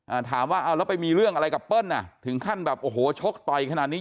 อ่าถามว่าเอาแล้วไปมีเรื่องอะไรกับเปิ้ลอ่ะถึงขั้นแบบโอ้โหชกต่อยขนาดนี้